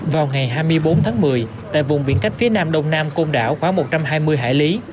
vào ngày hai mươi bốn tháng một mươi tại vùng biển cách phía nam đông nam côn đảo khoảng một trăm hai mươi hải lý